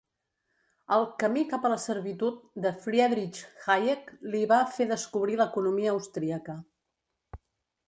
El "Camí cap a la servitud" de Friedrich Hayek li va fer descobrir l'economia austríaca.